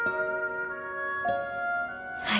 はい。